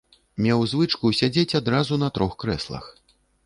Меў звычку сядзець адразу на трох крэслах.